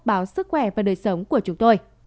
báo sức khỏe và đời sống của chúng tôi